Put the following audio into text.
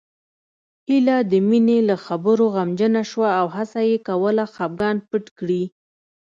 هيله د مينې له خبرو غمجنه شوه او هڅه يې کوله خپګان پټ کړي